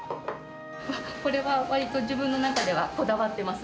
これは割と自分の中では、こだわってます。